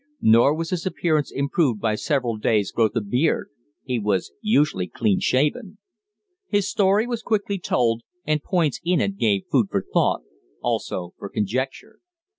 Nor was his appearance improved by several days' growth of beard he was usually clean shaven. His story was quickly told, and points in it gave food for thought, also for conjecture.